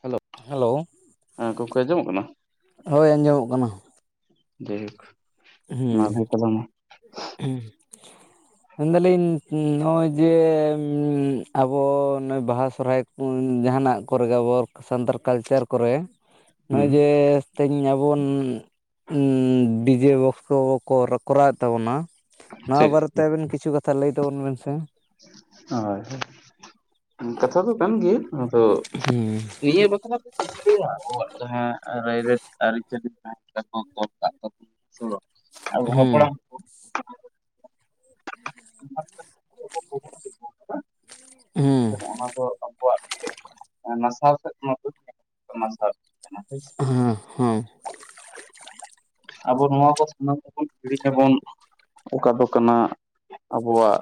Hello ᱦᱮᱸ ᱜᱚᱝᱠᱮ ᱟᱡᱚᱢᱚᱜ ᱠᱟᱱᱟ? ᱦᱳᱭ ᱟᱸᱡᱚᱢᱚᱜ ᱠᱟᱱᱟ ᱡᱟᱭᱦᱳᱠ ᱢᱟ ᱞᱟᱹᱭ ᱛᱟᱞᱟᱝ ᱢᱮ ᱾ ᱦᱮᱸ ᱾ ᱢᱮᱱ ᱫᱟ. ᱞᱤᱧ ᱱᱚᱜᱼᱚᱭ ᱡᱮ ᱟᱵᱚ ᱱᱚᱜᱼᱚᱭ ᱵᱟᱦᱟ ᱥᱚᱨᱦᱟᱭ ᱩᱸᱱ ᱡᱟᱦᱟᱱᱟᱜ ᱠᱚᱨᱮ ᱜᱮ ᱟᱵᱚ ᱥᱟᱱᱛᱟᱲ ᱠᱟᱞᱪᱟᱨ ᱠᱚᱨᱮ ᱱᱚᱜᱼᱚᱭ ᱦᱩᱸ ᱡᱮ ᱛᱮᱦᱮᱧ ᱟᱵᱚᱱ ᱰᱤᱡᱮ ᱵᱚᱠᱥ ᱠᱚ-ᱠᱚ -ᱠᱚᱨᱟᱣᱮᱫ ᱛᱟᱵᱚᱱᱟ ᱱᱚᱣᱟ ᱴᱷᱤᱠ ᱵᱟᱨᱮᱛᱮ ᱴᱷᱤᱠ ᱟᱵᱮᱱ ᱠᱤᱪᱷᱩ ᱠᱟᱛᱷᱟ ᱞᱟᱹᱭ ᱛᱟᱵᱚᱱ ᱵᱮᱱ ᱥᱮ ᱾ ᱦᱳᱭ ᱠᱟᱛᱷᱟ ᱫᱚ ᱠᱟᱱ ᱜᱮ ᱾ ᱟᱫᱚ ᱦᱩᱸ ᱱᱤᱭᱟᱹ ᱵᱟᱠᱷᱟᱨᱟ ᱪᱮᱫᱭᱟ ᱟᱵᱚᱣᱟᱜ ᱡᱟᱦᱟᱸ ᱨᱟ. ᱭᱨᱟ. ᱛ ᱟᱹᱨᱤᱪᱟᱹᱞᱤ ᱛᱟᱦᱮᱱᱟ ᱛᱟᱠᱚ ᱚᱞ ᱛᱚᱞ ᱠᱟᱜ ᱛᱟᱵᱚ ᱥᱚᱲᱚᱜ ᱟᱵᱚ ᱦᱩᱸ ᱦᱚᱯᱲᱟᱢ ᱦᱩᱸ [unintelligible] ᱚᱱᱟ ᱫᱚ ᱟᱵᱚᱣᱟᱜ ᱜᱮ ᱾ ᱱᱟᱥᱟᱣ ᱥᱮᱫ ᱢᱟ ᱦᱮᱥᱮ ᱱᱟᱥᱟᱣᱚᱜ ᱠᱟᱱᱟ ᱦᱮᱥᱮ ᱾ ᱦᱮᱸ ᱦᱩ ᱾ ᱟᱵᱚ ᱱᱚᱣᱟ ᱠᱚ ᱥᱟᱱᱟᱢ ᱠᱚᱵᱚᱱ ᱦᱤᱲᱤᱧᱟᱵᱚᱱ ᱚᱠᱟ ᱫᱚ ᱠᱟᱱᱟ ᱟᱵᱚᱣᱟᱜ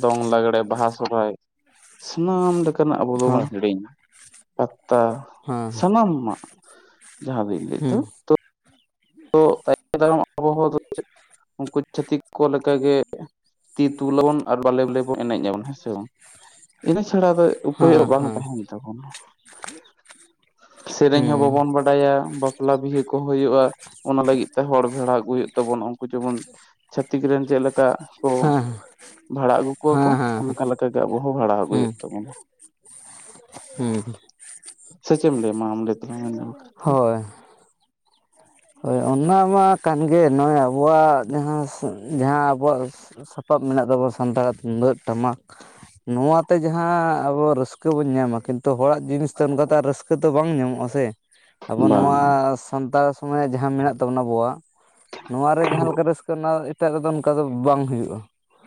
ᱫᱚᱝ ᱞᱟᱜᱽᱲᱮ ᱵᱟᱦᱟ ᱥᱚᱦᱨᱟᱭ ᱾ ᱥᱟᱱᱟᱢ ᱞᱮᱠᱟᱱᱟᱜ ᱟᱵᱚ ᱫᱚᱵᱚᱱ ᱦᱳᱭ ᱦᱤᱲᱤᱧᱟ ᱯᱟᱛᱟ ᱥᱟᱱᱟᱢᱟᱜ ᱡᱟᱦᱟᱸ ᱵᱤᱱ ᱞᱟᱹᱭᱮᱫ ᱦᱮᱸ ᱦᱩᱸ ᱫᱚ ᱛᱚ ᱛᱟᱭᱚᱢ ᱫᱟᱨᱟᱢ ᱟᱵᱚ ᱦᱚ ᱩᱱᱠᱩ ᱪᱷᱟᱹᱛᱤᱠ ᱠᱚ ᱞᱮᱠᱟᱜᱮ ᱛᱤ ᱛᱩᱞᱟᱹᱵᱚᱱ ᱟᱨ ᱵᱟᱞᱮ ᱵᱟᱞᱮ ᱵᱚᱱ ᱮᱱᱮᱡ ᱟᱵᱚᱱ ᱦᱮᱸ ᱥᱮ ᱵᱟᱝ ᱾ ᱤᱱᱟᱹ ᱪᱷᱟᱲᱟ ᱫᱚ ᱩᱯᱟᱹᱭ ᱦᱮᱸ ᱵᱟᱝ ᱦᱮᱸ ᱛᱟᱦᱮᱱ ᱛᱟᱵᱚᱱᱟ ᱾ ᱦᱩᱸ ᱥᱮᱨᱮᱧ ᱦᱚᱸ ᱵᱟᱵᱚᱱ ᱵᱟᱰᱟᱭᱟ ᱵᱟᱯᱞᱟ ᱵᱤᱦᱟᱹ ᱠᱚ ᱦᱩᱭᱩᱜᱼᱟ, ᱚᱱᱟ ᱞᱟᱹᱜᱤᱫ ᱛᱮ ᱦᱚᱲ ᱵᱷᱮᱲᱟ ᱟᱹᱜᱩᱭ ᱦᱩᱭᱩᱜ ᱛᱟᱵᱚᱱᱟ ᱩᱱᱠᱩ ᱡᱮᱢᱚᱱ ᱪᱷᱟ. ᱛᱤᱠ ᱨᱮᱱ ᱪᱮᱫ ᱞᱮᱠᱟ, ᱠᱚ ᱦᱮᱸ ᱵᱷᱟᱲᱟ ᱟᱹᱜᱩ ᱠᱚᱣᱟ ᱠᱚ ᱦᱮᱸ ᱦᱮᱸ ᱚᱱᱠᱟᱠᱟ ᱞᱮᱠᱟᱜᱮ ᱟᱵᱚ ᱦᱚᱸ ᱵᱷᱟᱲᱟ ᱦᱮᱸ ᱟᱹᱜᱩᱭ ᱦᱩᱭᱩᱜ ᱛᱟᱵᱚᱱᱟ ᱾ ᱦᱩᱸ ᱦᱩᱸ ᱥᱮ ᱪᱮᱫ ᱮᱢ ᱞᱟᱹᱭ ᱢᱟ ᱟᱢ ᱞᱟᱹᱭ ᱛᱟᱞᱟᱝ ᱢᱮ ᱤᱱᱟᱹ ᱵᱟᱠᱷᱟᱨᱟ? ᱦᱳᱭ ᱾ ᱦᱳᱭ ᱚᱱᱟ ᱢᱟ ᱠᱟᱱᱜᱮ ᱱᱚᱜᱼᱚᱭ ᱟᱵᱚᱣᱟᱜ ᱡᱟᱦᱟᱸ ᱡᱟᱦᱟᱸ ᱟᱵᱚᱣᱟᱜ ᱥᱟᱯᱟᱵ ᱢᱮᱱᱟᱜ ᱛᱟᱵᱚ ᱥᱟᱱᱛᱟᱲᱟᱜ ᱛᱩᱢᱫᱟᱜ ᱴᱟᱢᱟᱠ ᱱᱚᱣᱟᱛᱮ ᱡᱟᱦᱟᱸ ᱟᱵᱚ ᱨᱟᱹᱥᱠᱟᱹ ᱨᱟᱹᱥᱠᱟᱹ ᱵᱚᱱ ᱧᱟᱢᱟ ᱠᱤᱱᱛᱩ ᱦᱚᱲᱟᱜ ᱡᱤᱱᱤᱥ ᱛᱮ ᱚᱱᱠᱟᱛᱮ ᱟᱨ ᱨᱟᱹᱥᱠᱟᱹ ᱫᱚ ᱵᱟᱝ ᱧᱟᱢᱚᱜᱼᱟ ᱥᱮ ᱾ ᱟᱵᱚ ᱵᱟᱝ ᱱᱚᱣᱟ ᱥᱟᱱᱛᱟᱲ ᱥᱚᱢᱟᱡ ᱡᱟᱦᱟᱸ ᱢᱮᱱᱟᱜ ᱛᱟᱵᱚᱱᱟ ᱟᱵᱚᱣᱟᱜ ᱱᱚᱣᱟ ᱨᱮ ᱡᱟᱦᱟᱸ ᱞᱮᱠᱟ ᱨᱟᱹᱥᱠᱟᱹ ᱦᱮᱱᱟ-ᱟ, ᱚᱱᱟ ᱮᱴᱟᱜ ᱨᱮᱫᱚ ᱚᱱᱠᱟ ᱫᱚ ᱵᱟᱝ ᱦᱩᱭᱩᱜᱼᱟ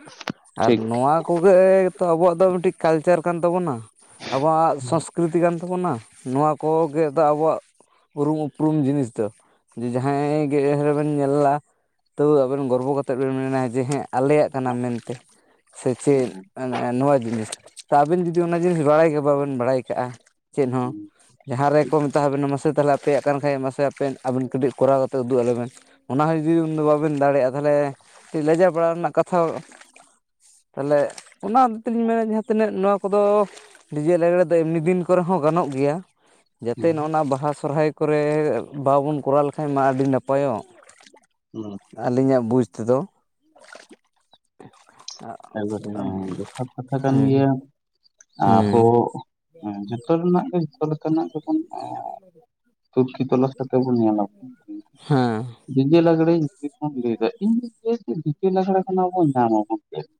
᱾ ᱟᱨ ᱴᱷᱤᱠ ᱱᱚᱣᱟ ᱠᱚᱜᱮ ᱛᱚ ᱟᱵᱚᱣᱟᱜ ᱫᱚ ᱢᱤᱫᱴᱤᱡ ᱠᱟᱞᱪᱟᱨ ᱠᱟᱱ ᱛᱟᱵᱚᱱᱟ ᱾ ᱟᱵᱚᱣᱟᱜ ᱦᱩᱸ ᱥᱚᱥ ᱠᱨᱤᱛᱤ ᱠᱟᱱ ᱛᱟᱵᱚᱱᱟ ᱱᱚᱣᱟ ᱠᱚᱜᱮ ᱫᱚ ᱟᱵᱚᱣᱟᱜ ᱩᱨᱩᱢ ᱩᱯᱨᱩᱢ ᱡᱤᱱᱤᱥ ᱫᱚ ᱾ ᱡᱮ ᱡᱟᱦᱟᱸᱭ ᱜᱮ ᱵᱮᱱ ᱧᱮᱞᱞᱟ ᱛᱟᱹᱣ ᱟᱵᱮᱱ ᱜᱚᱨᱵᱚ ᱠᱟᱛᱮᱫ ᱵᱮᱱ ᱢᱮᱱᱟ ᱡᱮ ᱦᱮᱸ ᱟᱞᱮᱭᱟᱜ ᱠᱟᱱᱟ ᱢᱮᱱᱛᱮ ᱾ ᱥᱮ ᱪᱮᱫ ᱱᱚᱣᱟ ᱡᱤᱱᱤᱥ ᱛᱚ ᱟᱵᱮᱱ ᱡᱩᱫᱤ ᱚᱱᱟ ᱡᱤᱱᱤᱥ ᱵᱟᱲᱟᱭ ᱜᱮ ᱵᱟᱵᱮᱱ ᱵᱟᱲᱟᱭ ᱠᱟᱜᱼᱟ, ᱪᱮᱫ ᱦᱚᱸ ᱡᱟᱦᱟᱸ ᱨᱮᱠᱚ ᱢᱮᱛᱟᱣ ᱵᱮᱱᱟ ᱢᱟᱥᱮ ᱛᱟᱦᱚᱞᱮ ᱟᱯᱮᱭᱟᱜ ᱠᱟᱱ ᱠᱷᱟᱡ ᱢᱟᱥᱮ ᱟᱯᱮ ᱟᱵᱮᱱ ᱠᱟᱹᱴᱤᱡ ᱠᱚᱨᱟᱣ ᱠᱟᱛᱮ ᱩᱫᱩᱜ ᱟᱞᱮ ᱵᱮᱱ, ᱚᱱᱟ ᱦᱚᱸ ᱡᱩᱫᱤ ᱩᱱ ᱫᱚ ᱵᱟᱵᱮᱱ ᱫᱟᱲᱮᱭᱟᱜᱼᱟ, ᱛᱟᱦᱚᱞᱮ ᱠᱟᱹᱡ ᱞᱮᱡᱟᱣ ᱵᱟᱲᱟ ᱨᱮᱱᱟᱜ ᱠᱟᱛᱷᱟ ᱛᱟᱦᱚᱞᱮ ᱚᱱᱟ ᱛᱮᱞᱤᱧ ᱢᱮᱱᱟ ᱡᱟᱦᱟᱸ ᱛᱤᱱᱟᱹᱜ ᱱᱚᱣᱟ ᱠᱚᱫᱚ ᱰᱤᱡᱮ ᱞᱟᱜᱽᱲᱮ ᱫᱚ ᱮᱢᱱᱤ ᱫᱤᱱ ᱠᱚᱨᱮ ᱦᱚᱸ ᱜᱟᱱᱚᱜ ᱜᱮᱭᱟ, ᱡᱟᱛᱮ ᱦᱩᱸ ᱱᱚᱜᱼᱚ ᱱᱚᱣᱟ ᱵᱟᱦᱟ ᱥᱚᱦᱨᱟᱭ ᱠᱚᱨᱮ ᱵᱟᱵᱚᱱ ᱠᱚᱨᱟᱣ ᱞᱮᱠᱷᱟᱡ ᱢᱟ ᱟᱹᱰᱤ ᱱᱟᱯᱟᱭᱚᱜ, ᱦᱩᱸ ᱟᱹᱞᱤᱧᱟᱜ ᱵᱩᱪ ᱛᱮᱫᱚ ᱮᱯᱚᱨᱮ ᱦᱮᱸ ᱡᱚᱛᱷᱟᱛ ᱠᱟᱛᱷᱟ ᱠᱟᱱ ᱦᱮᱸ ᱦᱮᱸ ᱜᱮᱭᱟ ᱾ ᱟᱵᱚ ᱦᱮᱸ ᱦᱮᱸ ᱡᱚᱛᱚ ᱨᱮᱱᱟᱜ ᱜᱮ ᱡᱚᱛᱚ ᱞᱮᱠᱟᱱᱟᱜ ᱜᱮᱵᱚᱱ ᱛᱩᱠᱷᱤ ᱛᱚᱞᱟᱥ ᱪᱤᱠᱟᱹᱛᱮ ᱵᱚᱱ ᱧᱮᱞᱟ, ᱦᱮᱸ [inaudible] [unintelligible]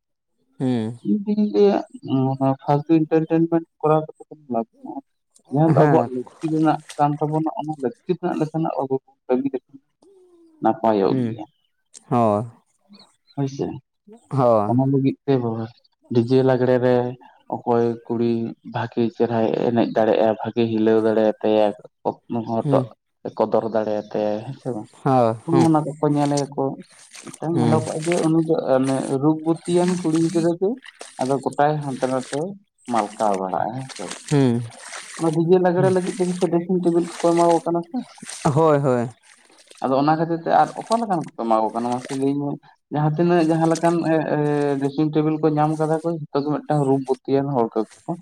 ᱦᱩᱸ ᱤᱧ ᱫᱩᱧ ᱞᱮᱭᱟ ᱱᱚᱣᱟ ᱯᱷᱟᱞᱛᱩ ᱮᱢᱴᱟᱨᱴᱮᱱᱢᱮᱱᱴ ᱠᱚᱨᱟᱣ ᱠᱟᱛᱮ ᱠᱳᱱᱳ ᱞᱟᱵᱷ ᱵᱟᱱᱩ-ᱟ ᱾ ᱡᱟᱦᱟᱸ ᱫᱚ ᱟᱵᱚᱣᱟᱜ ᱦᱮᱸ ᱞᱟᱹᱠᱛᱤ ᱨᱮᱱᱟᱜ ᱠᱟᱱ ᱛᱟᱵᱚᱱᱟ ᱚᱱᱟ ᱞᱟᱹᱠᱛᱤ ᱨᱮᱱᱟᱜ ᱞᱮᱠᱟᱱᱟᱜ ᱟᱵᱚ ᱵᱚᱱ ᱠᱟᱹᱢᱤ ᱞᱮᱠᱷᱟᱱ ᱱᱟᱯᱟᱭᱚᱜ ᱦᱮᱸ ᱜᱮᱭᱟ ᱦᱳᱭ ᱦᱳᱭᱥᱮ ᱾ [unintelligible] ᱚᱱᱟ ᱞᱟᱹᱜᱤᱫ ᱛᱮ ᱰᱤᱡᱮ ᱞᱟᱜᱽᱲᱮ ᱨᱮ ᱚᱠᱚᱭ ᱠᱩᱲᱤ ᱵᱷᱟᱜᱮ ᱪᱮᱨᱦᱟᱭ ᱮᱱᱮᱡ ᱫᱟᱲᱮᱭᱟᱜᱼᱟ ᱵᱷᱟᱜᱮ ᱦᱤᱞᱟᱹᱣ ᱫᱟᱲᱮᱭ ᱟᱛᱟᱭᱟ ᱦᱮᱸ ᱦᱚᱴᱚᱜ ᱮ ᱠᱚᱫᱚᱨ ᱫᱟᱲᱮᱭ ᱟᱛᱟᱭᱟ ᱦᱮᱸ ᱥᱮ ᱵᱟᱝ ᱦᱳᱭ ᱚᱱ ᱦᱮᱸ ᱚᱱᱟ ᱠᱚ ᱧᱮᱞᱮᱭᱟᱠᱚ ᱢᱤᱫᱴᱟᱝ ᱦᱮᱸ ᱧᱮᱞᱚᱜᱚᱜᱼᱟ ᱡᱮ ᱩᱱᱤ ᱫᱚ ᱚᱱᱮ ᱨᱩᱯ ᱵᱚᱛᱤᱭᱟᱱ ᱠᱩᱲᱤ ᱜᱤᱫᱽᱨᱟᱹ ᱜᱮ ᱟᱫᱚ ᱜᱳᱚᱴᱟᱭ ᱦᱟᱱᱛᱮ ᱱᱟᱛᱮ ᱢᱟᱞᱠᱟᱣ ᱵᱟᱲᱟᱜᱼᱟ ᱦᱮᱸ ᱥᱮ ᱾ ᱦᱮᱸ ᱚᱱᱟ ᱰᱤᱡᱮ ᱞᱟᱜᱽᱲᱮ ᱞᱟᱹᱜᱤᱫ ᱛᱮ ᱰᱨᱮᱥᱤᱝ ᱴᱮᱵᱤᱞ ᱠᱚᱠᱚ ᱮᱢᱟ ᱠᱚ ᱠᱟᱱᱟ ᱥᱮ, ᱦᱳᱭ ᱦᱳᱭ ᱟᱫᱚ ᱚᱱᱟ ᱠᱷᱟᱹᱛᱤᱨ ᱛᱮ ᱟᱨ ᱚᱠᱟ ᱞᱮᱠᱟᱱ ᱠᱚᱠᱚ ᱮᱢᱟ ᱠᱚ ᱠᱟᱱᱟ ᱢᱟᱥᱮ ᱞᱟᱹᱭ ᱢᱮ ᱡᱟᱦᱟᱸ ᱛᱤᱱᱟᱹᱜ ᱡᱟᱦᱟᱸ ᱞᱮᱠᱟᱱ ᱮ ᱮ ᱰᱨᱮᱥᱤᱝ ᱴᱮᱵᱩᱞ ᱠᱚ ᱧᱟᱢ ᱠᱟᱫᱟ ᱠᱚ ᱡᱚᱛᱚ ᱜᱮ ᱢᱤᱫᱴᱟᱝ ᱨᱩᱯ ᱵᱚᱛᱤᱭᱟᱱ ᱦᱚᱲ ᱠᱚᱜᱮ ᱠᱚ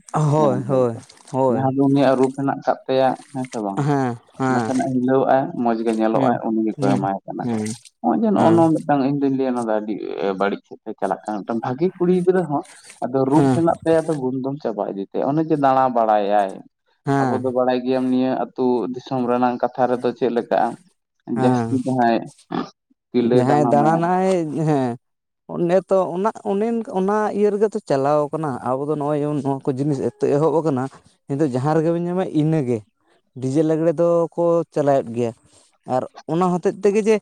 ᱧᱟᱢ ᱦᱳᱭ ᱠᱟᱫᱟ ᱦᱳᱭ ᱠᱚ ᱦᱳᱭ ᱡᱟᱦᱟᱸ ᱫᱚ ᱩᱱᱤᱭᱟᱜ ᱨᱩᱯ ᱦᱮᱱᱟᱜ ᱠᱟᱜ ᱛᱟᱭᱟ ᱦᱮᱸᱥᱮ ᱵᱟᱝ ᱦᱮᱸ ᱦᱮᱸ ᱱᱟᱥᱮᱱᱟᱜ ᱦᱤᱞᱟᱹᱜᱟᱭ ᱢᱚᱸᱡᱽ ᱜᱮ ᱧᱮᱞᱚᱜ ᱦᱮᱸ ᱟᱭ ᱩᱱᱤ ᱜᱮᱠᱚ ᱦᱮᱸ ᱮᱢᱟᱭ ᱠᱟᱱᱟ ᱠᱚ ᱦᱮᱸ ᱦᱚᱸᱜᱼᱚᱭ ᱡᱮ ᱱᱚᱜᱼᱚ ᱦᱮᱸ ᱱᱚᱸ ᱢᱤᱫᱴᱟᱝ ᱤᱧ ᱫᱩᱧ ᱞᱟᱹᱭᱟ ᱱᱚᱣᱟ ᱫᱚ ᱟᱹᱰᱤ ᱵᱟᱹᱲᱤᱡ ᱥᱮᱫ ᱛᱮ ᱪᱟᱞᱟᱜ ᱠᱟᱱᱟ ᱢᱤᱫᱴᱟᱝ ᱵᱷᱟᱹᱜᱮ ᱠᱩᱲᱤ ᱜᱤᱫᱽᱨᱟᱹ ᱦᱚᱸ ᱟᱫᱚ ᱨᱩᱯ ᱦᱮᱸ ᱦᱮᱱᱟᱜ ᱛᱟᱭᱟ ᱟᱫᱚ ᱜᱩᱱᱫᱚᱢ ᱪᱟᱵᱟ ᱤᱫᱤ ᱛᱟᱭᱟ ᱚᱱ ᱡᱮ ᱫᱟᱸᱲᱟ ᱵᱟᱲᱟᱭᱮᱟᱭ ᱟᱵᱚ ᱦᱮᱸ ᱫᱚ ᱵᱟᱲᱟᱭ ᱜᱮᱭᱟᱢ ᱱᱤᱭᱟᱹ ᱟᱹᱛᱩ ᱫᱤᱥᱚᱢ ᱨᱮᱱᱟᱝ ᱠᱟᱛᱷᱟ ᱨᱮᱫᱚ ᱪᱮᱫ ᱞᱮᱠᱟᱼᱟ ᱦᱮᱸ ᱡᱟᱦᱟᱸᱭ ᱫᱟᱬᱟᱱᱟᱭ ᱦᱮᱸ ᱚᱱᱮᱛᱚ ᱚᱱᱟ ᱚᱱᱮᱚᱱᱠᱟ ᱚᱱᱟ ᱤᱭᱟᱹ ᱨᱮᱜᱮ ᱛᱚ ᱪᱟᱞᱟᱣ ᱠᱟᱱᱟ ᱟᱵᱚ ᱫᱚ ᱱᱚᱜᱼᱚᱭ ᱡᱮᱢᱚᱱ ᱠᱚ ᱡᱤᱱᱤᱥ ᱮᱛᱚ ᱮᱦᱚᱵ ᱟᱠᱟᱱᱟ ᱦᱤᱛᱚᱜ ᱡᱟᱦᱟᱸ ᱨᱮᱜᱮ ᱵᱮᱱ ᱧᱟᱢᱟ ᱤᱱᱟᱹᱜᱮ ᱰᱤ ᱡᱮ ᱞᱟᱜᱽᱲᱮ ᱫᱚᱠᱚ ᱪᱟᱞᱟᱣᱮᱫ ᱜᱮᱭᱟ ᱟᱨ ᱚᱱᱟ ᱦᱚᱛᱮᱛ ᱛᱮᱜᱮ ᱡᱮ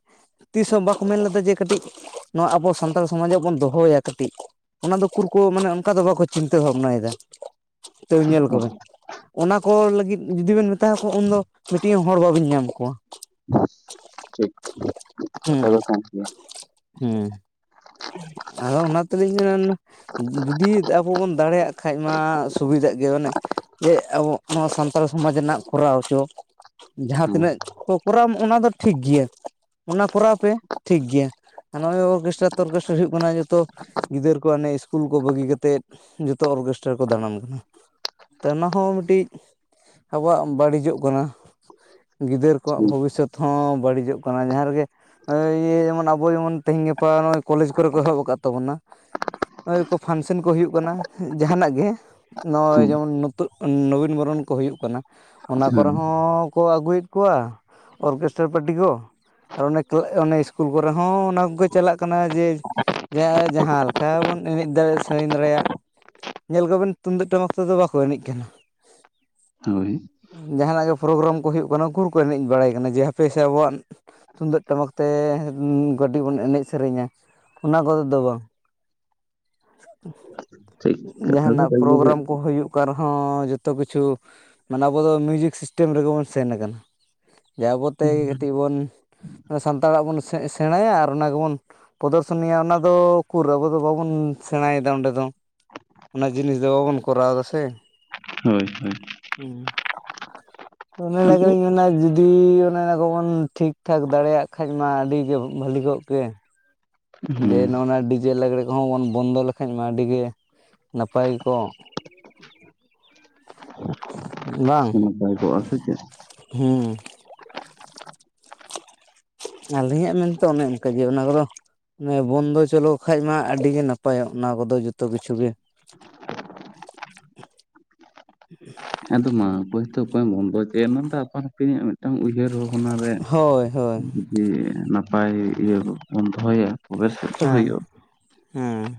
ᱛᱤᱥ ᱦᱚᱸ ᱵᱟᱠᱚ ᱢᱮᱱ ᱞᱮᱫᱟ ᱡᱮ ᱠᱟᱹᱴᱤᱡ ᱱᱚᱣᱟ ᱟᱵᱚ ᱥᱟᱱᱛᱟᱲ ᱥᱚᱢᱟᱡᱟᱜ ᱵᱚᱱ ᱫᱚᱦᱚᱭᱟ ᱠᱟᱹᱴᱤᱡ ᱚᱱᱟ ᱫᱚ ᱩᱠᱩᱨ ᱠᱚ ᱢᱟᱱᱮ ᱚᱱᱠᱟ ᱫᱚ ᱵᱟᱠᱚ ᱪᱤᱱᱛᱟᱹ ᱵᱷᱟᱵᱽᱱᱟᱭᱮᱫᱟ, ᱛᱟᱹᱣ ᱧᱮᱞ ᱠᱚᱵᱮᱱ ᱚᱱᱟ ᱠᱚ ᱞᱟᱹᱜᱤᱫ ᱡᱩᱫᱤ ᱵᱮᱱ ᱢᱮᱛᱟᱠᱚᱣᱟ ᱩᱱᱫᱚ ᱢᱤᱫᱴᱤᱡ ᱦᱚᱸ ᱦᱚᱲ ᱵᱟᱹᱵᱤᱱ ᱧᱟᱢ ᱠᱚᱣᱟ ᱾ ᱴᱷᱤᱠ ᱾ ᱦᱢ ᱦᱢ ᱾ [unintelligible] ᱟᱫᱚ ᱚᱱᱟ ᱛᱮᱞᱤᱧ ᱢᱮᱱᱟ ᱡᱩ ᱡᱩᱫᱤ ᱟᱵᱚ ᱵᱚᱱ ᱫᱟᱲᱮᱭᱟᱜ ᱠᱷᱟᱡ ᱢᱟ ᱥᱩᱵᱤᱫᱟᱜ ᱜᱮᱭᱟ ᱢᱟᱱᱮ ᱡᱮ ᱟᱵᱚ ᱱᱚᱣᱟ ᱥᱟᱱᱛᱟᱲ ᱥᱚᱢᱟᱡᱽ ᱨᱮᱱᱟᱜ ᱠᱚᱨᱟᱣ ᱦᱚᱪᱚ ᱡᱟᱦᱟᱸ ᱦᱮᱸ ᱛᱤᱱᱟᱹᱜ ᱠᱚᱨᱟᱣᱟᱢ ᱚᱱᱟ ᱫᱚ ᱴᱷᱤᱠ ᱜᱮᱭᱟ, ᱚᱱᱟ ᱠᱚᱨᱟᱣ ᱯᱮ ᱴᱷᱤᱠ ᱜᱮᱭᱟ ᱱᱚᱜᱼᱚᱭ ᱚᱨᱜᱮᱥᱴᱟᱨ ᱛᱚᱨᱜᱮᱥᱴᱟᱨ ᱦᱩᱭᱩᱜ ᱠᱟᱱᱟ ᱡᱚᱛᱚ ᱜᱤᱫᱟᱹᱨ ᱠᱚ ᱦᱟᱱᱮ ᱤᱥᱠᱩᱞ ᱠᱚ ᱵᱟᱹᱜᱤ ᱠᱟᱛᱮᱫ ᱡᱚ ᱛᱚ ᱚᱨᱜᱮᱥᱴᱟᱨ ᱨᱮᱠᱚ ᱫᱟᱬᱟᱱ ᱠᱟᱱᱟ ᱛᱚ ᱚᱱᱟ ᱦᱚᱸ ᱢᱤᱫᱴᱤᱡ ᱟᱵᱚᱣᱟᱜ ᱵᱟᱹᱲᱤᱡᱚᱜ ᱠᱟᱱᱟ ᱜᱤᱫᱟᱹᱨ ᱠᱚᱣᱟᱜ ᱴᱷᱤᱠ ᱵᱷᱚᱵᱤᱥᱚᱛ ᱦᱚᱸ ᱵᱟᱹᱲᱤᱡᱚᱜ ᱠᱟᱱᱟ ᱡᱟᱦᱟᱸ ᱨᱮᱜᱮ ᱱᱚᱜᱼᱚᱭ ᱤᱭᱟᱹ ᱡᱮᱢᱚᱱ ᱟᱵᱚ ᱡᱮᱢᱚᱱ ᱛᱮᱦᱮᱧ ᱜᱟᱯᱟ ᱱᱚᱜᱼᱚᱭ ᱠᱚᱞᱮᱡᱽ ᱠᱚᱨᱮ ᱠᱚ ᱮᱦᱚᱵ ᱟᱠᱟᱫ ᱛᱟᱵᱚᱱᱟ ᱱᱚᱜᱼᱚᱭ ᱠᱚ ᱯᱷᱟᱱᱥᱮᱱ ᱠᱚ ᱦᱩᱭᱩᱜ ᱠᱟᱱᱟ ᱡᱟᱦᱟᱱᱟᱜ ᱜᱮ ᱱᱚᱜᱼᱚᱭ ᱡᱮᱢᱚᱱ ᱱᱳᱛᱳᱜ ᱱᱚᱵᱤᱱ ᱵᱚᱨᱚᱱ ᱠᱚ ᱦᱩᱭᱩᱜ ᱠᱟᱱᱟ ᱚᱱᱟ ᱠᱚᱨᱮ ᱦᱳᱭ ᱦᱚᱸ ᱠᱚ ᱟᱹᱜᱩᱭᱮᱫ ᱠᱚᱣᱟ ᱚᱨᱜᱮᱥᱴᱟᱨ ᱯᱟᱴᱤ ᱠᱚ ᱟᱨ ᱚᱱᱮ ᱠᱞᱟ ᱚᱱᱮ ᱤᱥᱠᱩᱞ ᱠᱚᱨᱮ ᱦᱚᱸ ᱚᱱᱟ ᱠᱚᱜᱮ ᱪᱟᱞᱟᱜ ᱠᱟᱱᱟ ᱡᱮ ᱡᱟᱦᱟᱸ ᱞᱮᱠᱟ ᱵᱚᱱ ᱮᱱᱮᱡ ᱫᱟᱲᱮᱭᱟᱜ ᱥᱮᱨᱮᱧ ᱫᱟᱲᱮᱭᱟᱜ ᱧᱮᱞ ᱠᱚᱵᱮᱱ ᱛᱩᱢᱫᱟᱹᱜ ᱴᱟᱢᱟᱠ ᱛᱮᱫᱚ ᱵᱟᱠᱚ ᱮᱱᱮᱡ ᱠᱟᱱᱟ ᱦᱳᱭ ᱾ ᱡᱟᱦᱟᱱᱟᱜ ᱜᱮ ᱯᱨᱳᱜᱨᱟᱢ ᱠᱚ ᱦᱩᱭᱩᱜ ᱠᱟᱱᱟ ᱩᱠᱩᱨ ᱠᱚ ᱮᱱᱮᱡ ᱵᱟᱲᱟᱭ ᱠᱟᱱᱟ ᱡᱮ ᱦᱟᱯᱮᱥᱮ ᱟᱵᱚᱣᱟᱜ ᱛᱩᱢᱫᱟᱹᱜ ᱴᱟᱢᱟᱠ ᱛᱮ ᱢᱢ ᱠᱟᱹᱴᱤᱡ ᱵᱚᱱ ᱮᱱᱮᱡ ᱥᱮᱨᱮᱧᱟ, ᱚᱱᱟ ᱠᱚᱛᱮ ᱫᱚ ᱵᱟᱝ ᱴᱷᱤᱠ ᱾ ᱠᱟᱛᱷᱟ ᱫᱚ ᱡᱟᱦᱟᱱᱟᱜ ᱠᱟᱱ ᱜᱮᱭᱟ ᱯᱨᱳᱜᱨᱟᱢ ᱠᱚ ᱦᱩᱭᱩᱜ ᱚᱠᱟ ᱨᱮᱦᱚᱸ ᱡᱚᱛᱚ ᱠᱤᱪᱷᱩ ᱢᱟᱱᱮ ᱟᱵᱚ ᱫᱚ ᱢᱤᱭᱩᱡᱤᱠ ᱥᱤᱥᱴᱮᱢ ᱨᱮᱜᱮ ᱵᱚᱱ ᱥᱮᱱ ᱟᱠᱟᱱ, ᱡᱮ ᱟᱵᱚᱛᱮᱜᱮ ᱠᱟᱹᱴᱤᱡ ᱵᱚᱱ ᱥᱟᱱᱛᱟᱲᱟᱜ ᱵᱚᱱ ᱥᱮ ᱥᱮᱬᱟᱭᱟ ᱟᱨ ᱚᱱᱟ ᱜᱮᱵᱚᱱ ᱯᱨᱚᱫᱚᱨᱥᱚᱱᱤᱭᱟ ᱚᱱᱟ ᱫᱚ ᱚᱠᱩᱨ ᱟᱵᱚ ᱫᱚ ᱵᱟᱵᱚᱱ ᱥᱮᱬᱟᱭ ᱮᱫᱟ ᱚᱸᱰᱮ ᱫᱚ ᱚᱱᱟ ᱡᱤᱱᱤᱥ ᱫᱚ ᱵᱟᱵᱚᱱ ᱠᱚᱨᱟᱣ ᱫᱟ ᱥᱮ, ᱦᱳᱭ ᱦᱳᱭ ᱚᱱᱟ ᱟᱫᱚ ᱞᱟᱹᱜᱤᱫ ᱤᱧ ᱢᱮᱱᱟ ᱡᱩᱫᱤ ᱚᱱᱮ ᱚᱱᱟ ᱠᱚᱵᱚᱱ ᱴᱷᱤᱠ ᱴᱷᱟᱠ ᱫᱟᱲᱮᱭᱟᱜ ᱠᱷᱟᱡ ᱢᱟ ᱟᱹᱰᱤ ᱜᱮ ᱵᱷᱟᱹᱞᱤ ᱠᱚᱜ ᱠᱮ ᱡᱮ ᱦᱮᱸ ᱱᱚᱜ ᱱᱚᱣᱟ ᱰᱤ ᱡᱮ ᱞᱟᱜᱽᱲᱮ ᱠᱚᱦᱚᱸ ᱵᱚᱱ ᱵᱚᱱᱫᱚ ᱞᱮᱠᱷᱟᱡ ᱢᱟ ᱟᱹᱰᱤᱜᱮ ᱱᱟᱯᱟᱭ ᱠᱚᱜ ᱾ ᱵᱟᱝ ᱱᱟᱯᱟᱭ ᱠᱚᱜᱼᱟ ᱥᱮ ᱪᱮᱫ ᱦᱮᱸᱼᱼ ᱟᱹᱞᱤᱧᱟᱜ ᱢᱮᱱᱛᱚ ᱚᱱᱮ ᱚᱱᱠᱟ ᱜᱮ ᱚᱱᱟ ᱠᱚᱫᱚ ᱚᱱᱮ ᱵᱚᱱᱫᱚ ᱪᱚᱞᱚᱠ ᱠᱷᱟᱡ ᱢᱟ ᱟᱹᱰᱤ ᱜᱮ ᱱᱟᱯᱟᱭᱚᱜ ᱚᱱᱟ ᱠᱚᱫᱚ ᱡᱚᱛᱚ ᱠᱤᱪᱷᱩ ᱜᱮ [inaudible] ᱮᱫᱚ ᱢᱟ ᱚᱠᱚᱭ ᱛᱚ ᱚᱠᱚᱭ ᱵᱚᱱ ᱫᱚ [unintelligible] ᱟᱹᱯᱤᱧᱟᱜ ᱢᱤᱫᱴᱟᱝ ᱩᱭᱦᱟᱹᱨ ᱵᱷᱟᱵᱽᱱᱟ ᱨᱮᱼᱼ ᱦᱳᱭ ᱦᱳᱭ ᱡᱮ ᱱᱟᱯᱟᱭ ᱤᱭᱟᱹ ᱵᱚᱱ ᱫᱚᱦᱚᱭᱟ [unintelligible] ᱦᱮᱸ ᱦᱩᱭᱩᱜᱼᱟ ᱦᱮᱸ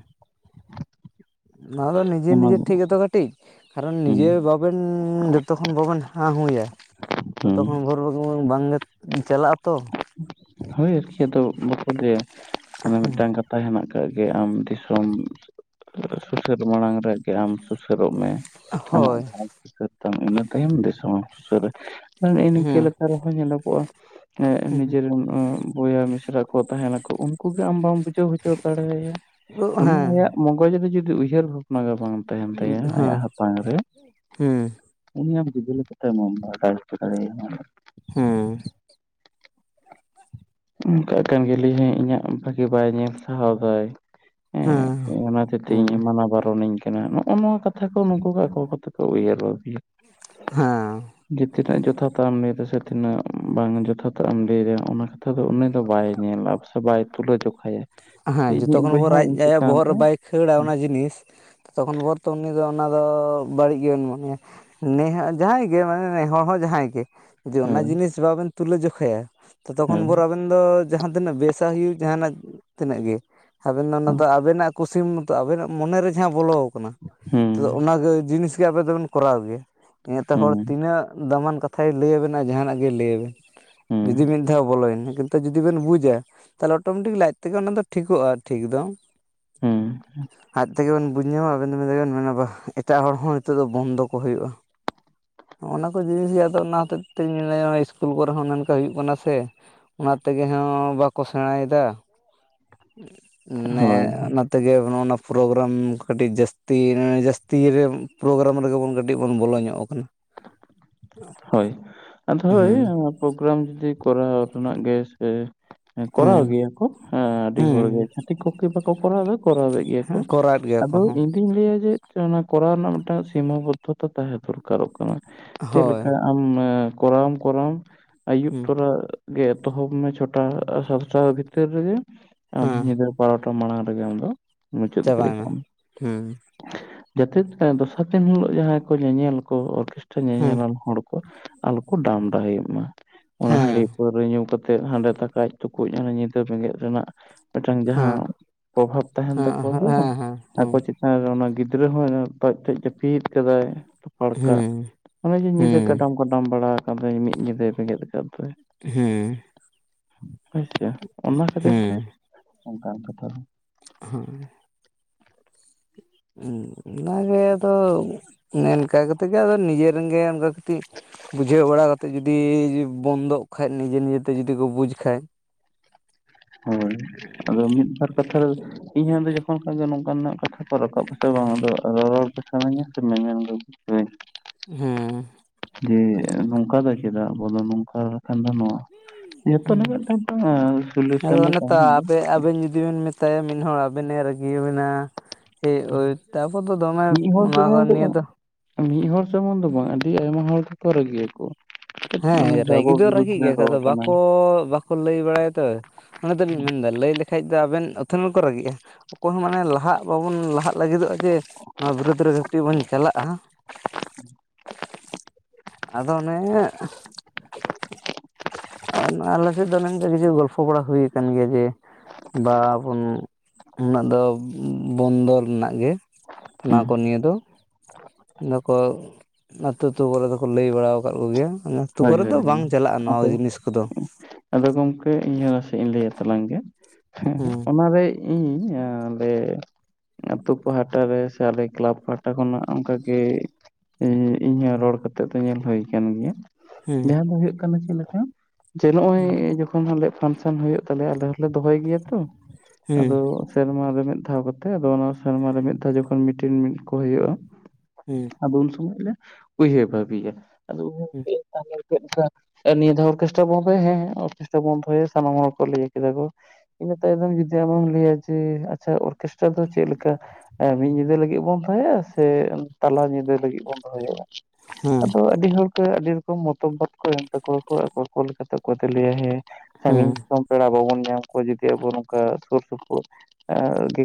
ᱱᱚᱣᱟ ᱫᱚ ᱱᱤᱡᱮ ᱚᱱᱟ ᱱᱤᱡᱮ ᱫᱚ ᱴᱷᱤᱠ ᱜᱮᱛᱚ ᱠᱟᱹᱴᱤᱡᱼᱼ ᱠᱟᱨᱚᱱ ᱦᱮᱸ ᱱᱤᱡᱮ ᱵᱟᱵᱮᱱ ᱡᱚᱛᱚ ᱠᱷᱚᱱ ᱵᱟᱵᱮᱱ ᱦᱟᱸ ᱦᱩᱸᱭᱟ ᱦᱮᱸ ᱛᱚᱛᱚᱠᱷᱚᱱ ᱵᱷᱳᱨᱼᱼ ᱵᱟᱝ ᱜᱮ ᱪᱟᱞᱟᱜᱼᱟ ᱛᱚ ᱦᱳᱭ ᱟᱨᱠᱤ ᱟᱫᱚ ᱵᱟᱠᱚ ᱞᱟᱭᱟ ᱢᱟᱱᱮ ᱢᱤᱫᱴᱟᱝ ᱠᱟᱛᱷᱟ ᱦᱮᱱᱟᱜ ᱟᱠᱟᱜ ᱜᱮ ᱟᱢ ᱫᱤᱥᱚᱢ ᱥᱩᱥᱟᱹᱨ ᱢᱟᱲᱟᱝ ᱨᱮᱜᱮ ᱟᱢ ᱥᱩᱥᱟᱹᱨᱚᱜ ᱢᱮ ᱟᱢᱟᱜ ᱦᱳᱭ ᱥᱚᱢᱟᱡᱽ ᱥᱩᱥᱟᱹᱨ ᱛᱟᱢ ᱤᱱᱟᱹ ᱛᱟᱭᱚᱢ ᱫᱤᱥᱚᱢ ᱮᱢ ᱥᱩᱥᱟᱹᱨᱟ ᱦᱮᱸ [unintelligible] ᱨᱮᱦᱚᱸ ᱧᱮᱞᱚᱜᱚᱜᱼᱟ ᱮ ᱱᱤᱡᱮᱨᱮᱱ ᱵᱚᱭᱦᱟ ᱢᱤᱥᱨᱟᱼᱼ ᱜᱤᱫᱽᱨᱟᱹ ᱠᱚ ᱛᱟᱦᱮᱱᱟ ᱠᱚ ᱩᱱᱠᱩ ᱜᱮ ᱟᱢ ᱵᱟᱢ ᱵᱩᱡᱼᱼ ᱵᱩᱡᱷᱟᱣ ᱦᱚᱪᱚ ᱫᱟᱲᱮᱭᱟᱭᱟ ᱦᱮᱸ ᱩᱱᱤ ᱟᱭᱟᱜ [unintelligible] ᱨᱮ ᱡᱩᱫᱤ ᱩᱭᱦᱟᱹᱨ ᱵᱷᱟᱵᱱᱟᱼᱼ ᱢᱟᱜᱟ ᱵᱟᱝ ᱛᱟᱦᱮᱱ ᱛᱟᱭᱟ ᱦᱮᱸ ᱟᱭᱟᱜ ᱦᱟᱛᱟᱝ ᱨᱮ ᱦᱮᱸ ᱩᱱᱤ ᱟᱢ [unintelligible] ᱦᱮᱸ ᱚᱱᱠᱟᱜ ᱠᱟᱱ ᱜᱮᱞᱤᱭᱮ ᱦᱮᱸ ᱤᱧᱟᱹᱜ ᱵᱷᱟᱹᱜᱤ ᱵᱟᱭ ᱧᱮᱞ ᱥᱟᱦᱟᱣ ᱫᱟᱭ ᱦᱮᱸ ᱚᱱᱟ ᱦᱚᱛᱮᱜ ᱛᱮ ᱦᱮᱸ ᱤᱧ ᱮ ᱢᱟᱱᱟ ᱵᱟᱨᱚᱱᱤᱧᱼᱼ ᱱᱚᱜᱼᱚ ᱱᱚᱣᱟ ᱠᱟᱛᱷᱟ ᱠᱚ ᱱᱩᱠᱩ ᱟᱠᱚ ᱟᱠᱚ ᱛᱮ ᱠᱚ ᱩᱭᱦᱟᱹᱨ ᱵᱟᱹᱵᱤᱭᱟ ᱦᱟᱸ ᱡᱮ ᱛᱤᱱᱟᱹᱜ ᱡᱚᱛᱷᱟ ᱛᱟᱜ ᱮᱢ ᱞᱟᱹᱭᱫᱟ ᱥᱮ ᱛᱤᱱᱟᱹᱜ ᱵᱟᱝ ᱡᱚᱛᱷᱟᱛᱟᱜ ᱮᱢ ᱞᱟᱹᱭᱫᱟ ᱚᱱᱟ ᱱᱤᱛᱚᱜ ᱫᱚ ᱩᱱᱤ ᱫᱚ ᱵᱟᱭ ᱧᱮᱞᱟ ᱥᱮ ᱵᱟᱭ ᱛᱩᱞᱟᱹ ᱡᱚᱠᱷᱟᱭᱟ ᱦᱮᱸ ᱡᱚᱛᱚ ᱤᱧᱤᱡ ᱠᱷᱚᱱ ᱵᱚᱭᱦᱟ ᱤᱧ [unintelligible] ᱪᱮᱛᱟᱱ ᱵᱚᱦᱚᱜ ᱨᱮ ᱵᱟᱭ ᱠᱷᱟᱹᱲᱟ ᱚᱱᱟ ᱡᱤᱱᱤᱥᱼᱼ ᱛᱚᱠᱷᱚᱱ ᱵᱷᱚᱨ ᱛᱚ ᱩᱱᱤ ᱫᱚ ᱚᱱᱟ ᱫᱚ ᱵᱟᱹᱲᱤᱡ ᱜᱮᱵᱚᱱ ᱢᱚᱱᱮᱭᱟ ᱱᱮ ᱦᱟᱸᱜ ᱡᱟᱦᱟᱸᱭ ᱜᱮ ᱢᱟᱱᱮ ᱱᱮᱦᱚᱲ ᱦᱚᱸ ᱡᱟᱦᱟᱸᱭ ᱜᱮᱼᱼ ᱡᱩᱫᱤ ᱚᱱᱟ ᱦᱳᱭ ᱡᱤᱱᱤᱥ ᱵᱟᱵᱮᱱ ᱛᱩᱞᱟᱹ ᱡᱚᱠᱷᱟᱭᱟ ᱛᱚᱛᱚ ᱠᱷᱚᱱ ᱵᱷᱚᱨ ᱟᱵᱮᱱᱼᱼ ᱫᱚ ᱡᱟᱦᱟᱸ ᱛᱤᱱᱟᱹᱜ ᱵᱮᱥᱟ ᱦᱩᱭᱩᱜ ᱡᱟᱦᱱᱟᱜ ᱛᱤᱱᱟᱹᱜ ᱜᱮ ᱟᱵᱮᱱ ᱫᱚ ᱚᱱᱟ ᱦᱳᱭ ᱫᱚ ᱟᱵᱮᱱᱟᱜ ᱠᱩᱥᱤ ᱥᱤᱢ ᱢᱚᱛᱛᱚ ᱟᱵᱮᱱᱟᱜ ᱢᱚᱱᱮ ᱨᱮ ᱡᱟᱦᱟᱸ ᱵᱚᱞᱚ ᱟᱠᱟᱱᱟ ᱛᱚᱼᱼ ᱦᱩᱸ ᱚᱱᱟ ᱜᱮ ᱡᱤᱱᱤᱥ ᱜᱮ ᱟᱵᱮ ᱫᱚᱵᱮᱱ ᱠᱚᱨᱟᱣ ᱜᱮᱭᱟ ᱤᱱᱟ ᱛᱮ ᱦᱚᱲ ᱦᱩᱸ ᱛᱤᱱᱟᱹᱜ ᱫᱟᱢᱟᱱ ᱠᱟᱛᱷᱟ ᱠᱚ ᱠᱟᱛᱷᱟᱭ ᱞᱟᱹᱭ ᱟᱵᱮᱱᱟ ᱡᱟᱦᱟᱱᱟᱜ ᱜᱮ ᱞᱟᱹᱭ ᱟᱵᱮᱱ ᱦᱩᱸ ᱡᱩᱫᱤ ᱢᱤᱫ ᱫᱷᱟᱣ ᱵᱚᱞᱚᱭ ᱮᱱᱟ ᱠᱤᱱᱛᱩ ᱛᱚ ᱡᱩᱫᱤ ᱵᱮᱱ ᱵᱩᱡᱟ ᱛᱟᱦᱚᱞᱮ ᱚᱴᱳᱢᱮᱴᱤᱠ ᱞᱟᱡ ᱛᱮᱜᱮ ᱚᱱᱟ ᱫᱚ ᱴᱷᱤᱠᱚᱜᱼᱟ ᱴᱷᱤᱠ ᱫᱚ ᱦᱩᱸ ᱟᱡ ᱛᱮᱜᱮ ᱵᱮᱱ ᱵᱩᱡ ᱧᱟᱢᱟ [unintelligible] ᱢᱮᱱᱟ ᱵᱟᱜ ᱮᱴᱟᱜ ᱦᱚᱲ ᱦᱚᱸ ᱱᱤᱛᱚᱜ ᱫᱚ ᱵᱚᱱᱫᱚ ᱠᱚ ᱦᱩᱭᱩᱜᱼᱟ ᱱᱚᱜᱼ ᱱᱚᱣᱟ ᱠᱚ ᱡᱤᱱᱤᱥ ᱜᱮ ᱟᱫᱚ ᱚᱱᱟ ᱦᱚᱛᱮᱡ ᱛᱮᱧ ᱢᱮ ᱤᱥᱠᱩᱞ ᱠᱚᱨᱮ ᱦᱚᱸ ᱚᱱᱮ ᱚᱝᱠᱟ ᱦᱩᱭᱩᱜ ᱠᱟᱱᱟ ᱥᱮ ᱚᱱᱟ ᱛᱮᱜᱮ ᱦᱚᱸ ᱵᱟᱠᱚ ᱥᱮᱬᱟᱭ ᱮᱫᱟ ᱦᱳᱭ ᱱᱮᱼᱼ ᱛᱮᱜᱮ ᱚᱱᱟ ᱯᱨᱳᱜᱨᱟᱢ ᱠᱟᱹᱴᱤᱡ ᱡᱟᱹᱥᱛᱤ ᱡᱟᱹᱥᱛᱤᱭ ᱨᱮᱭ ᱯᱨᱳᱜᱨᱟᱢ ᱨᱮᱜᱮ ᱵᱚᱱ ᱠᱟᱹᱴᱤᱡ ᱠᱟᱹᱴᱤᱡ ᱵᱚᱱ ᱵᱚᱞᱚ ᱧᱚᱜ ᱠᱟᱱᱟ ᱾ ᱦᱳᱭ ᱟᱫᱚ ᱦᱳᱭ ᱯᱨᱳᱜᱨᱟᱢ ᱡᱩᱫᱤ ᱠᱚᱨᱟᱣ ᱨᱮᱱᱟᱜ ᱜᱮ ᱥᱮᱼᱼ ᱦᱮᱸ ᱦᱩᱸ ᱠᱚᱨᱟᱣ ᱜᱮᱭᱟ ᱠᱚ ᱦᱮᱸ ᱟᱹᱰᱤ ᱦᱩᱸ ᱦᱚᱲ ᱜᱮ ᱪᱷᱟᱛᱤᱠ ᱠᱚᱠᱤ ᱵᱟᱠᱚ ᱠᱚᱨᱟᱣ ᱫᱟ, ᱠᱚᱨᱟᱣ ᱮᱫ ᱜᱮᱭᱟ ᱠᱚ ᱠᱚᱨᱟᱣᱮᱫ ᱜᱮᱭᱟ ᱠᱚ ᱟᱫᱚ ᱦᱚᱸ ᱤᱧᱼᱼ ᱤᱧ ᱞᱟᱹᱭᱟ ᱡᱮ ᱚᱱᱟ ᱠᱚᱨᱟᱣ ᱨᱮᱱᱟᱜ ᱢᱤᱫᱴᱟᱝ ᱥᱤᱢᱟ ᱵᱚᱫᱽᱫᱷᱚᱛᱟ ᱛᱟᱦᱮᱸ ᱫᱚᱨᱠᱟᱨᱚᱜ ᱠᱟᱱᱟ ᱪᱮᱫ [unintelligible] ᱦᱳᱭ ᱟᱢ ᱠᱚᱨᱟ ᱣᱟᱢᱼ ᱠᱚᱨᱟ ᱣᱟᱢ ᱟᱹᱭᱩᱵ ᱦᱩᱸ ᱛᱚᱨᱟ ᱜᱮ ᱮᱛᱚᱦᱚᱵ ᱢᱮ ᱪᱷᱚ ᱴᱟ ᱥᱟᱛ ᱴᱟ ᱵᱷᱤᱛᱤᱨ ᱨᱮᱜᱮ ᱟᱢ ᱦᱮᱸ ᱧᱤᱫᱟᱹ ᱵᱟᱨᱚᱴᱟ ᱢᱟᱲᱟᱝ ᱨᱮᱜᱮ ᱟᱢᱫᱚ ᱢᱩᱪᱟᱹᱫ ᱜᱤᱰᱤ ᱠᱟᱜ ᱢᱮ᱾ ᱦᱩᱸ ᱡᱟᱛᱮᱫ ᱦᱮᱸ ᱫᱚᱥᱟᱨ ᱫᱤᱱ ᱦᱤᱞᱳᱜ ᱡᱟᱦᱟᱸᱭ ᱠᱚ ᱧᱮᱧᱮᱞ ᱠᱚ ᱚᱨᱠᱮᱴᱟ ᱦᱮᱸ ᱦᱮᱸ ᱦᱮᱸ ᱦᱮᱸ ᱦᱮᱸ ᱦᱮᱸ ᱦᱮᱸ ᱦᱮᱸ ᱧᱮᱧᱮᱞᱟᱱ ᱦᱚᱲ ᱠᱚ ᱟᱞᱚ ᱠᱚ ᱰᱟᱢ ᱰᱟᱦᱮ ᱭᱟᱜ ᱢᱟ ᱚᱱᱟ ᱦᱟᱺᱰᱤᱯᱹᱹᱹ ᱯᱟᱹᱣᱨᱟᱹ ᱧᱩ ᱠᱟᱛᱮᱫ ᱦᱟᱸᱰᱮ ᱛᱟᱠᱟᱡ ᱛᱩᱠᱩᱡ ᱚᱱᱮ ᱧᱤᱫᱟᱹ ᱵᱮᱸᱜᱮᱫ ᱨᱮᱱᱟᱜ ᱢᱮᱫᱴᱟᱝ ᱡᱟᱦᱟᱸ ᱯᱚᱨᱚᱵᱷᱟᱵ ᱛᱟᱦᱮᱸᱱ ᱛᱟᱠᱚᱣᱟ ᱦᱮᱸ ᱵᱟᱝ, ᱟᱠᱚ ᱪᱮ- ᱦᱮᱸ ᱚᱱᱟ ᱜᱤᱫᱽᱨᱟᱹ ᱦᱚᱸ ᱱᱟᱯᱟᱡ ᱪᱚᱡ ᱡᱟᱹᱯᱤᱫ ᱟᱠᱟᱫᱟᱭ ᱞᱟᱯᱟᱲᱠᱟᱜ, ᱚᱱᱮ ᱡᱮ ᱧᱤᱫᱟᱹ ᱦᱮᱸ ᱜᱚᱰᱟᱢ ᱵᱟᱲᱟ ᱟᱠᱟᱱ ᱫᱚᱭ ᱢᱤᱫ ᱜᱤᱫᱟᱹᱭ ᱵᱮᱸᱜᱮᱫ ᱟᱠᱟᱫ ᱫᱚᱭ᱾ ᱦᱩᱸ ᱟᱪᱪᱷᱟ ᱚᱱᱟ ᱠᱷᱟᱹᱛᱤᱨ ᱛᱮ ᱦᱮᱸ ᱚᱱᱠᱟᱱ ᱠᱟᱛᱷᱟ ᱫᱚ ᱾ ᱦᱚᱸ, ᱩᱸ ᱚᱱᱟᱜᱮ ᱟᱫᱚ ᱚᱱᱮ ᱚᱱᱠᱟ ᱠᱟᱛᱮ ᱜᱮ ᱟᱫᱚ ᱱᱤᱡᱟᱹ ᱨᱤᱱ ᱜᱮᱢ ᱚᱸᱠᱟ ᱠᱟᱹᱛᱤᱜ ᱵᱩᱡᱷᱟᱹᱣ ᱵᱟᱲᱟ ᱠᱟᱛᱮᱜ ᱡᱩᱫᱤᱻᱡᱽ ᱵᱚᱱᱫᱚᱜ ᱠᱷᱟᱡ ᱱᱤᱡᱟᱹ ᱱᱤᱡᱟᱹᱛᱮ ᱡᱩᱫᱤ ᱠᱚ ᱵᱩᱡᱽ ᱠᱷᱟᱡ [inaudible] ᱦᱳᱭ, ᱟᱫᱚ ᱢᱤᱫ ᱵᱟᱨ ᱠᱟᱛᱷᱟ ᱫᱚ ᱤᱧ ᱦᱚᱸ ᱟᱫᱚ ᱡᱚᱠᱷᱚᱱ ᱠᱷᱟᱱ ᱜᱮ ᱱᱚᱝᱠᱟᱱᱟᱜ ᱠᱟᱛᱷᱟ ᱠᱚ ᱨᱟᱠᱟᱵᱽ ᱟᱛᱮ ᱵᱟᱝᱼᱟ ᱟᱫᱚ ᱟᱫᱚ ᱨᱚᱨᱚᱲ ᱜᱮ ᱥᱟᱱᱟᱧᱟ ᱥᱮ ᱢᱮᱢᱮᱱ ᱜᱮ᱾ ᱵᱩᱡᱷᱟᱹᱣᱟᱹᱧ ᱦᱩᱸ, ᱡᱮ ᱱᱚᱝᱠᱟ ᱫᱚ ᱪᱮᱫᱟᱜ ᱟᱵᱚ ᱫᱚ ᱱᱚᱝᱠᱟ ᱠᱷᱟᱱ ᱫᱚ ᱱᱚᱣᱟ᱾ ᱡᱚᱛᱚ ᱦᱮᱸ ᱨᱮᱱᱟᱜ ᱜᱮ ᱢᱮᱫᱴᱟᱝ ᱴᱟᱝ ᱥᱚᱞᱚᱥᱚᱱ ᱟᱫᱚ ᱫᱚ ᱚᱱᱮ ᱛᱚ ᱛᱟᱦᱮᱸᱱ ᱜᱮᱭᱟ, ᱟᱯᱮ ᱟᱵᱮᱱ ᱡᱩᱫᱤ ᱵᱮᱱ ᱢᱮᱛᱟᱭᱟ ᱢᱤᱫ ᱦᱚᱲ ᱟᱵᱮᱱᱼᱮ ᱨᱟᱹᱜᱤᱭᱟᱵᱤᱱᱟ ᱦᱮ ᱚᱭ ᱛᱟᱵᱚ ᱫᱚ ᱫᱚᱢᱮ ᱢᱤᱫ ᱦᱚᱲ ᱚᱱᱟ ᱫᱚ ᱥᱩᱢᱩᱝ ᱱᱤᱭᱟᱹ ᱵᱟᱝ ᱫᱚ᱾ ᱢᱤᱫ ᱦᱚᱲ ᱥᱩᱢᱩᱝ ᱫᱚ ᱵᱟᱝᱼᱟ, ᱟᱹᱰᱤ ᱟᱭᱢᱟ ᱦᱚᱲ ᱜᱮᱠᱚ ᱨᱟᱹᱜᱤ ᱭᱟᱠᱚᱣᱟ᱾ ᱦᱮᱸ ᱨᱟᱹᱜᱤ ᱫᱚ ᱨᱟᱹᱜᱤ ᱜᱮᱭᱟ ᱠᱚ ᱨᱚᱲ ᱟᱫᱚ ᱠᱟᱱᱟᱭ ᱵᱟᱠᱚ ᱵᱟᱠᱚ ᱞᱟᱹᱭ ᱵᱟᱲᱟᱭᱟ ᱛᱚ᱾ ᱚᱱᱟ ᱫᱚᱞᱤᱧ ᱢᱮᱱ ᱫᱟ ᱞᱟᱹᱭ ᱞᱮᱠᱷᱟᱡ ᱫᱚ ᱟᱵᱮᱱ ᱚᱛᱷᱚᱱ ᱦᱚᱲ ᱠᱚ ᱨᱟᱹᱜᱤᱜᱼᱟ᱾ ᱚᱠᱚᱭ ᱦᱚᱸ ᱢᱟᱱᱮ ᱞᱟᱦᱟᱜ ᱵᱟᱵᱚᱱ ᱞᱟᱦᱟᱜ ᱞᱟᱹᱜᱤᱫᱚᱜᱼᱟ ᱪᱮ ᱱᱚᱣᱟ ᱵᱤᱨᱩᱫᱽ ᱨᱮ ᱜᱷᱟᱹᱛᱤ ᱵᱚᱱ ᱪᱟᱞᱟᱜᱼᱟ? ᱟᱫᱚ ᱚᱱᱮᱻᱜ ᱟ ᱱᱚᱣᱟ ᱟᱞᱮ ᱥᱮᱫ ᱫᱚ ᱚᱱᱮ ᱚᱱᱮᱝ ᱠᱟ ᱠᱤᱪᱷᱩ ᱜᱚᱞᱯᱷᱚ ᱵᱟᱲᱟ ᱦᱩᱭ ᱭᱟᱠᱟᱱ ᱜᱮᱭᱟ ᱡᱮ, ᱵᱟ ᱵᱚᱱ ᱩᱱᱟᱹᱜ ᱫᱚᱻᱵᱽ ᱵᱚᱱᱫᱚ ᱨᱮᱱᱟᱜ ᱜᱮ, ᱚᱱᱟ ᱦᱮᱸ ᱠᱚ ᱱᱤᱭᱟᱹ ᱫᱚ ᱫᱚᱠᱚ ᱟᱹᱛᱩ ᱟᱹᱛᱩ ᱠᱚᱨᱮ ᱫᱚᱠᱚ ᱞᱟᱹᱭ ᱵᱟᱲᱟᱣ ᱟᱠᱟᱫ ᱠᱚᱜᱮᱭᱟ ᱚᱱᱟ᱾ ᱟᱹᱛᱩ ᱦᱳᱭ ᱠᱚᱨᱮ ᱫᱚ ᱦᱳᱭ ᱵᱟᱝ ᱦᱳᱭ ᱪᱟᱞᱟᱜᱼᱟ ᱱᱚᱣᱟ ᱠᱚ ᱟᱫᱚ ᱡᱤᱱᱤᱥ ᱠᱚᱫᱚ᱾ ᱟᱫᱚ ᱜᱚᱝᱠᱮ ᱤᱧ ᱦᱚᱸ ᱥᱮᱜ ᱤᱧ ᱞᱟᱹᱭᱼᱟ ᱛᱟᱞᱟᱝ ᱜᱮ, ᱦᱮᱸᱜ ᱦᱮᱸ ᱦᱮᱸᱜ ᱚᱱᱟᱨᱮ ᱤᱧ ᱟᱸ ᱚᱸᱰᱮ ᱟᱹᱛᱩ ᱯᱟᱦᱴᱟ ᱨᱮ ᱥᱮ ᱟᱞᱮ ᱠᱮᱞᱟᱵᱽ ᱯᱟᱦᱴᱟ ᱠᱷᱚᱱᱟᱜ ᱚᱱᱠᱟᱜᱮ ᱮᱸ ᱤᱧ ᱦᱚᱸ ᱨᱚᱲ ᱠᱟᱛᱮᱫ ᱫᱚ ᱧᱮᱞ ᱦᱩᱭ ᱠᱟᱱ ᱜᱮᱭᱟ, ᱦᱮᱸ ᱱᱮᱭᱟᱣ ᱫᱚ ᱦᱩᱭᱩᱜ ᱠᱟᱱᱟ, ᱪᱮᱫ ᱞᱮᱠᱟ, ᱡᱮ ᱱᱚᱜᱼᱚᱭ ᱡᱚᱠᱷᱹᱹᱹ ᱠᱷᱚᱱ ᱦᱚᱸ ᱟᱞᱮᱭᱟᱜ ᱯᱷᱟᱱᱥᱚᱱ ᱦᱩᱭᱩᱜ ᱛᱟᱞᱮᱭᱟ, ᱟᱞᱮ ᱦᱚᱞᱮ ᱫᱚᱦᱚᱭ ᱜᱮᱭᱟ ᱛᱚ, ᱦᱮᱸ ᱟᱫᱚ ᱥᱮᱨᱢᱟ ᱨᱮ ᱢᱮᱫ ᱫᱷᱟᱣ ᱠᱟᱛᱮ, ᱟᱫᱚ ᱚᱱᱟ ᱥᱮᱨᱢᱟ ᱨᱮ ᱢᱤᱫ ᱫᱷᱟᱣ ᱡᱚᱠᱷᱚᱱ ᱢᱤᱴᱤᱱ ᱢᱤᱫ ᱠᱚ ᱦᱩᱭᱩᱜᱼᱟ, ᱦᱮᱸ ᱟᱫᱚ ᱩᱱ ᱥᱚᱢᱚᱡ ᱞᱮ ᱩᱭᱦᱟᱹ ᱵᱷᱟᱹᱵᱤᱭᱟ, ᱟᱫᱚ ᱮᱜ ᱚᱨᱠᱮᱥᱴᱨᱟ, ᱟᱹ ᱱᱤᱭᱟᱹ ᱫᱷᱟᱣ ᱚᱨᱠᱮᱥᱴᱟᱨᱼᱟ ᱵᱚᱱ ᱫᱚᱦᱚᱭᱟ, ᱦᱮᱸ ᱦᱮᱸ ᱚᱨᱠᱮᱥᱴᱟᱨᱼᱟ ᱵᱚᱱ ᱫᱚᱦᱚᱭᱟ ᱥᱟᱱᱟᱢ ᱦᱚᱲ ᱠᱚ ᱞᱟᱹᱭᱟᱹ ᱠᱮᱫᱟ ᱠᱚ ᱾ ᱤᱱᱟᱹ ᱛᱟᱭᱚᱱᱚᱢ ᱡᱩᱫᱤ ᱟᱢ ᱦᱚᱸᱢ ᱞᱟᱹᱭᱼᱟ ᱡᱮ ᱟᱪᱪᱷᱟ ᱚᱨᱠᱮᱥᱴᱟᱨ ᱫᱚ ᱪᱮᱜ ᱞᱮᱠᱟ? ᱦᱮᱸ ᱢᱤᱫ ᱧᱤᱫᱟᱹ ᱞᱟᱹᱜᱤᱫ ᱵᱚᱱ ᱫᱚᱦᱚᱭᱟ ᱥᱮ, ᱛᱟᱞᱟ ᱧᱤᱫᱟᱹ ᱞᱟᱹᱜᱤᱫ ᱵᱚᱱ ᱫᱚᱦᱚᱭᱟ? ᱦᱮᱸ ᱟᱫᱚ ᱟᱹᱰᱤ ᱦᱚᱲ ᱠᱚ, ᱟᱹᱰᱤ ᱨᱚ- ᱢᱚᱛᱚ ᱵᱟᱫ ᱠᱚ ᱮᱢ ᱛᱟᱠᱚ ᱣᱟᱠᱚ, ᱟᱠᱚ ᱠᱚ ᱞᱮᱠᱟ ᱛᱮ ᱚᱠᱚᱭ ᱫᱚᱭ ᱞᱟᱹᱭᱼᱟ ᱦᱮ ᱥᱟᱺᱜᱤᱧ ᱦᱮᱸ ᱫᱤᱥᱚᱢ ᱯᱮᱲᱟ ᱵᱟᱵᱚᱱ ᱧᱟᱢ ᱠᱚᱣᱟ ᱡᱩᱫᱤ ᱟᱵᱚ ᱱᱚᱝᱠᱟ ᱥᱩᱨ ᱥᱩᱯᱩᱨ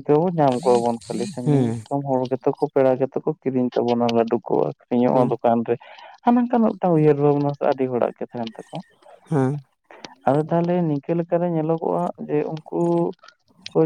[inaudible] ᱧᱟᱢ ᱠᱚᱣᱟ ᱵᱚᱱ ᱠᱷᱟᱹᱞᱤ ᱥᱟᱺᱜᱤᱧ ᱦᱮᱸ ᱫᱤᱥᱚᱢ ᱦᱚᱲ ᱜᱮᱛᱚ ᱠᱚ ᱯᱮᱲᱟ ᱜᱮᱛ ᱠᱚ ᱠᱤᱨᱤᱧ ᱛᱟᱵᱚᱱᱟ ᱞᱟᱹᱰᱩ ᱠᱚ ᱾ ᱤᱧᱟᱜ ᱦᱚ ᱦᱮᱸ ᱫᱚᱠᱟᱱ ᱨᱮ ᱦᱟᱱᱟ ᱝᱠᱟᱱᱟᱜ ᱢᱤᱫᱴᱟᱝ ᱩᱭᱦᱟᱹᱨ ᱵᱷᱟᱵᱱᱟ ᱟᱹᱰᱤ ᱦᱚᱲᱟᱜ ᱜᱮ ᱛᱟᱦᱮᱱ ᱛᱟᱠᱚᱣᱟ ᱾ ᱦᱮᱸ ᱾ ᱟᱫᱚ ᱛᱟᱦᱞᱮ ᱱᱤᱝᱠᱟ ᱞᱮᱠᱟᱨᱮ ᱧᱮᱞᱚᱜᱚᱜᱼᱟ ᱡᱮ ᱩᱱᱠᱩ ᱠᱚ